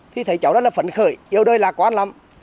thì thấy cháu rất là phấn khởi yêu đời lạc quan lắm